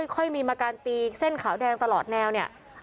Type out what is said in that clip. ค่อยมีมาการตีเส้นขาวแดงตลอดแนวเนี่ย